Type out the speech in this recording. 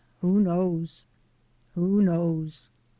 Who knows? Who knows?